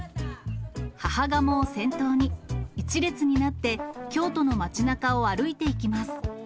母ガモを先頭に、１列になって京都の街なかを歩いていきます。